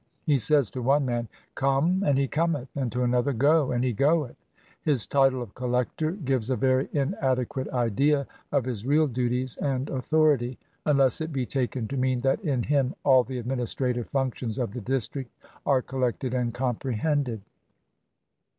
He says to one man, "Come," and he cometh, and to another "Go," and he goeth. His title of collector gives a very inadequate idea of his real duties and authority; unless it be taken to mean that in him all the administrative functions of the district are collected and comprehended.